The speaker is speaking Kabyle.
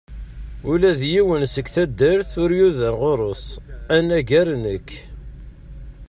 Ula d yiwen seg at taddart ur yuder ɣur-s, anagar nekk.